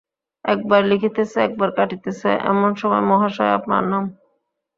একবার লিখিতেছে, একবার কাটিতেছে, এমন সময় মহাশয়, আপনার নাম?